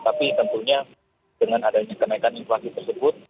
tapi tentunya dengan adanya kenaikan inflasi tersebut